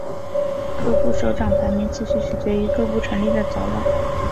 各部首长排名次序取决于各部成立的早晚。